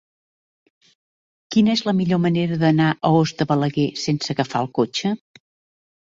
Quina és la millor manera d'anar a Os de Balaguer sense agafar el cotxe?